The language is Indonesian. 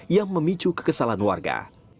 yang memicu kekesalan warga